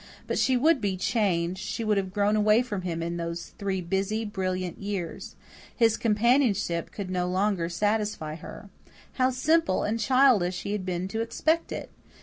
But she would be changed she would have grown away from him in those three busy, brilliant years. His companionship could no longer satisfy her. How simple and childish he had been to expect it!